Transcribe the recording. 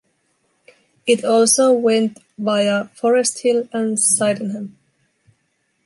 It also went via Forest Hill and Sydenham.